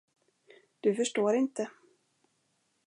Du förstår inte.